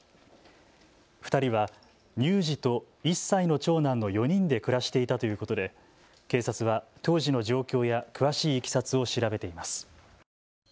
２人は乳児と１歳の長男の４人で暮らしていたということで警察は当時の状況や詳しいいきさつを調べています。